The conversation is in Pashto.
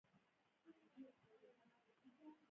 ما به دا کیسه په ډېر تاکید سره ور اوروله